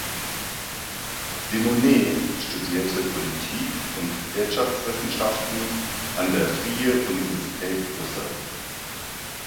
Simonet studierte Politik- und Wirtschaftswissenschaften an der "Vrije Universiteit Brussel".